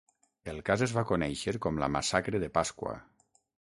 El cas es va conèixer com la massacre de Pasqua.